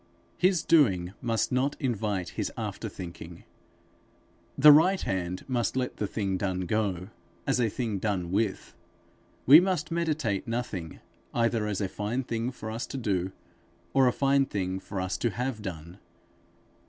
His doing must not invite his after thinking. The right hand must let the thing done go, as a thing done with. We must meditate nothing either as a fine thing for us to do, or a fine thing for us to have done.